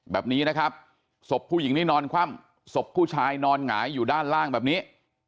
แบบนี้นะครับศพผู้หญิงนี่นอนคว่ำศพผู้ชายนอนหงายอยู่ด้านล่างแบบนี้